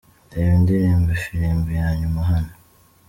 Reba Indirimbo Ifirimbi ya nyuma hano:.